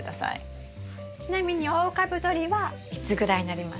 ちなみに大株どりはいつぐらいになりますか？